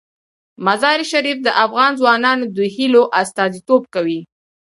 مزارشریف د افغان ځوانانو د هیلو استازیتوب کوي.